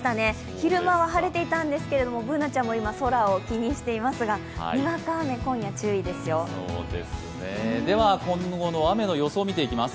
昼間は晴れていたんですけどＢｏｏｎａちゃんも今、空を気にしていますが、今後の雨の予想を見ていきます。